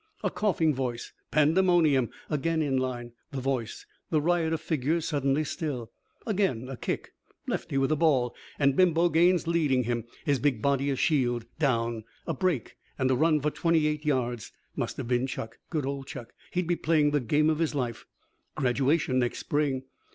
A coughing voice. Pandemonium. Again in line. The voice. The riot of figures suddenly still. Again. A kick. Lefty with the ball, and Bimbo Gaines leading him, his big body a shield. Down. A break and a run for twenty eight yards. Must have been Chuck. Good old Chuck. He'd be playing the game of his life. Graduation next spring.